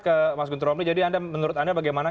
ke mas guntur romli jadi anda menurut anda bagaimana